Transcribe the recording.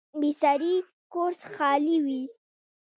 بې سړي کور خالي وي